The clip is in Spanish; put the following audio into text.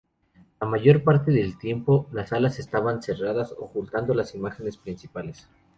La mayor parte del tiempo, las alas estaban cerradas, ocultando las imágenes principales.